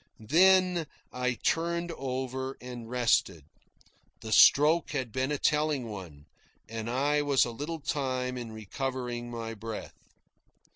Then I turned over and rested. The stroke had been a telling one, and I was a little time in recovering my breath.